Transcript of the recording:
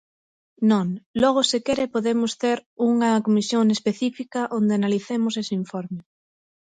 Non, logo se quere podemos ter unha comisión específica onde analicemos ese informe.